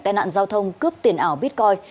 tên nạn giao thông cướp tiền ảo bitcoin